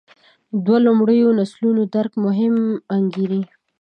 دوو لومړیو نسلونو درک مهم انګېري.